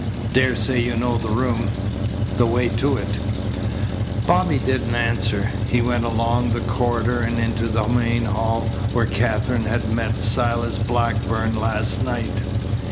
"Daresay you know the room the way to it?" Bobby didn't answer. He went along the corridor and into the main hall where Katherine had met Silas Blackburn last night.